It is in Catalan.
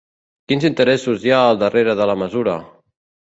Quins interessos hi ha al darrere de la mesura?